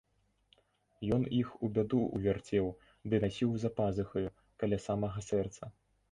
Ён іх у бяду ўвярцеў ды насіў за пазухаю, каля самага сэрца.